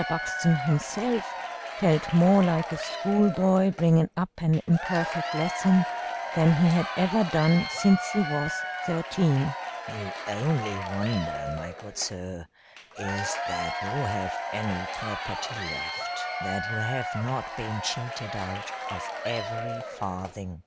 Buxton himself felt more like a school boy, bringing up an imperfect lesson, than he had ever done since he was thirteen. "The only wonder, my good sir, is that you have any property left; that you have not been cheated out of every farthing."